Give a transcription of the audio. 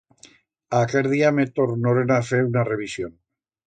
Aquer día me tornoren a fer una revisión.